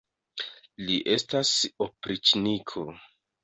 Li estas opriĉniko.